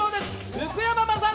福山雅治